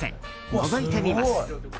のぞいてみます。